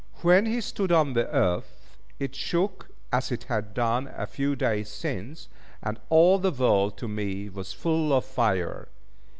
When he stood on the earth, it shook as it had done a few days since; and all the world to me was full of fire.